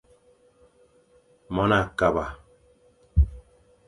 Mon a kaba.